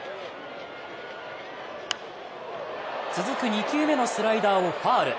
続く２球目のスライダーをファウル。